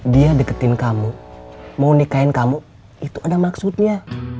dia deketin kamu mau nikahin kamu itu ada maksudnya